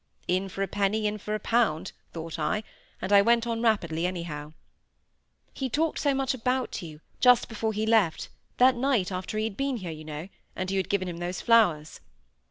"In for a penny, in for a pound," thought I, and I went on rapidly, anyhow. "He talked so much about you, just before he left—that night after he had been here, you know—and you had given him those flowers."